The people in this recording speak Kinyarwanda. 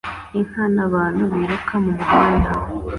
Inka n'abantu biruka mumuhanda